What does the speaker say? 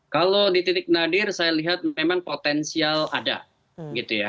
kalau di titik nadir saya lihat memang potensial ada gitu ya